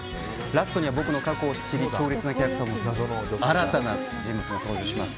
ラストには僕の過去を知り強烈なキャラクターを持つ新たな人物も登場します。